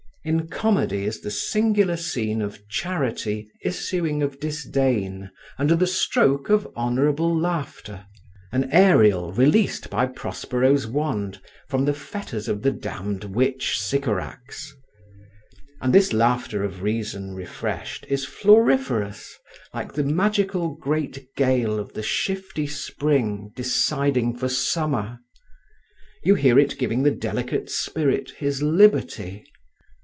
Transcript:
In Comedy is the singular scene of charity issuing of disdain under the stroke of honourable laughter: an Ariel released by Prospero's wand from the fetters of the damned witch Sycorax. And this laughter of reason refreshed is floriferous, like the magical great gale of the shifty Spring deciding for Summer. You hear it giving the delicate spirit his liberty.